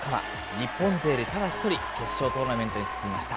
日本勢でただ一人、決勝トーナメントに進みました。